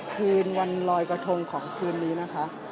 คืนวันลอยกระทงของคืนนี้นะคะ